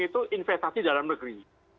itu investasi dalam negeri